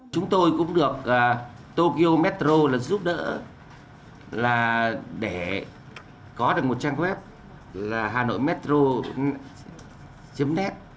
chúng tôi cũng được tokyo metro giúp đỡ để có được một trang web là hanoimetro net